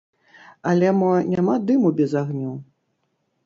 Але мо няма дыму без агню?